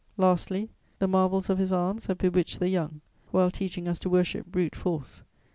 Lastly, the marvels of his arms have bewitched the young, while teaching us to worship brute force.